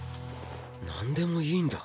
なんでもいいんだ。